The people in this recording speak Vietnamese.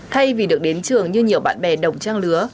thay vì được đến trường như nhiều bạn bè đồng trang lứa